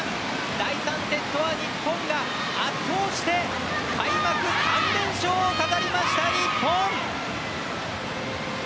第３セットは日本が圧倒して開幕３連勝を飾りました日本！